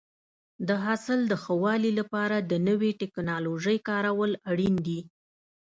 د حاصل د ښه والي لپاره د نوې ټکنالوژۍ کارول اړین دي.